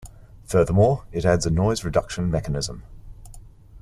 Furthermore, it adds a noise reduction mechanism.